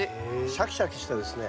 シャキシャキしたですね